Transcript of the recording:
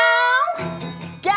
kau membawa kehancuran